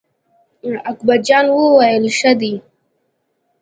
اکبر جان وویل: ښه دی.